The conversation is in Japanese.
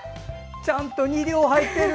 ちゃんと２両入ってる。